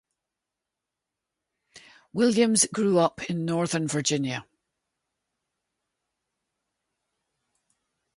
Williams grew up in Northern Virginia.